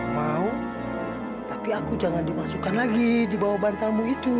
mau tapi aku jangan dimasukkan lagi di bawah bantalmu itu